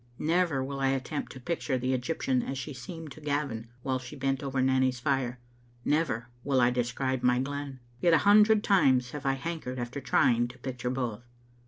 Never will I attempt to picture the Egyptian as she seemed to Gavin while she bent over Nanny's fire, never will I describe my glen. Yet a hundred times have I hankered after trying to picture both.